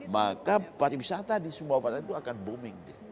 maka pariwisata di sumbawa barat itu akan bombing